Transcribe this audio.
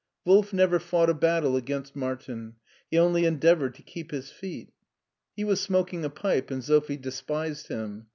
Wolf never fought a battle against Martin; he only endeavored to keep his feet. He was smoking a pipe and Sophie despised him.